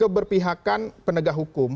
keberpihakan penegak hukum